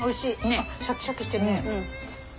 あっシャキシャキしてるね。